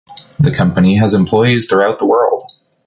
The company has employees throughout the world.